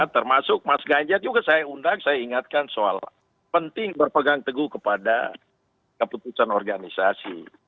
termasuk mas ganjar juga saya undang saya ingatkan soal penting berpegang teguh kepada keputusan organisasi